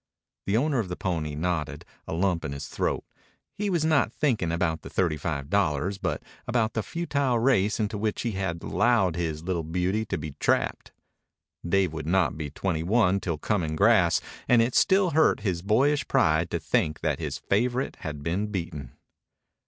The owner of the pony nodded, a lump in his throat. He was not thinking about his thirty five dollars, but about the futile race into which he had allowed his little beauty to be trapped. Dave would not be twenty one till coming grass, and it still hurt his boyish pride to think that his favorite had been beaten.